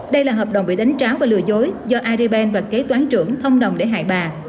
đây là hợp đồng bị đánh tráo và lừa dối do aribank và kế toán trưởng thông đồng để hài bà